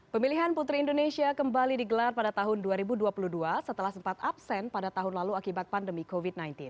pemilihan putri indonesia kembali digelar pada tahun dua ribu dua puluh dua setelah sempat absen pada tahun lalu akibat pandemi covid sembilan belas